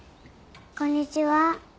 こんにちは。